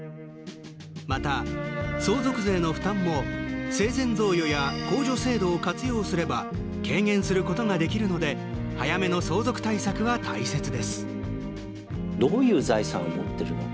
また、相続税の負担も生前贈与や控除制度を活用すれば軽減することができるので早めの相続対策は大切です。